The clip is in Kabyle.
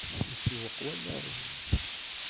Isewweq wallaɣ-im.